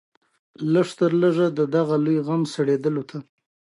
لږ تر لږه د دغه لوی غم سړېدلو ته.